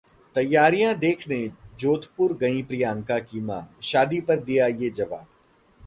तैयारियां देखने जोधपुर गईं प्रियंका की मां, शादी पर दिया ये जवाब